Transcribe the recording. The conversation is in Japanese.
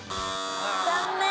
残念。